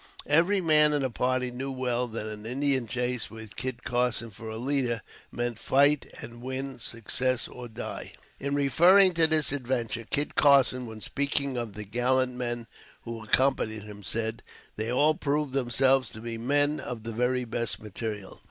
Every man in that party knew well that an Indian chase with Kit Carson for a leader, meant fight and win success or die. In referring to this adventure Kit Carson, when speaking of the gallant men who accompanied him, said, "They all proved themselves to be men of the very best material."